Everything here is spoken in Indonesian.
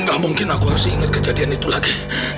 gak mungkin aku harus ingat kejadian itu lagi